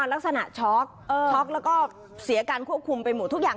ลักษณะช็อกช็อกแล้วก็เสียการควบคุมไปหมดทุกอย่าง